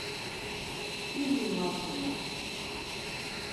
Ǩibri matzunen.